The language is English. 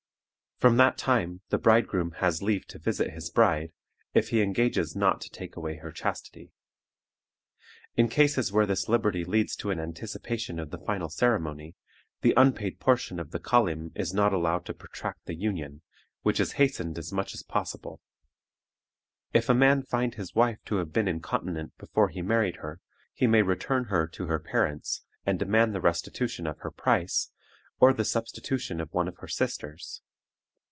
From that time the bridegroom has leave to visit his bride, if he engages not to take away her chastity. In cases where this liberty leads to an anticipation of the final ceremony, the unpaid portion of the kalym is not allowed to protract the union, which is hastened as much as possible. If a man find his wife to have been incontinent before he married her, he may return her to her parents, and demand the restitution of her price, or the substitution of one of her sisters.